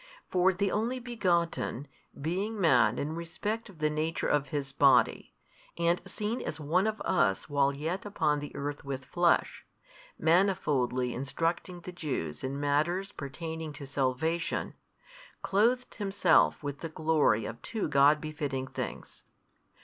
For the Only Begotten, being Man in respect of the nature of His Body, and seen as one of us while yet upon the earth with flesh, manifoldly instructing the Jews in matters pertaining to salvation, clothed Himself with the glory of two God befitting things.